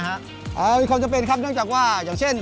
มีความจำเป็นอย่างเช่น